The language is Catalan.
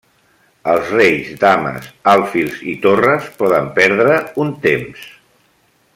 Els reis, dames, alfils, i torres, poden perdre un temps.